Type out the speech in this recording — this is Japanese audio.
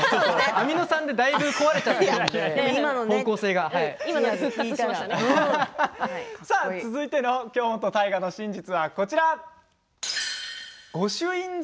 アミノ酸で、だいぶ壊れて続いての「京本大我の真実」はこちらです。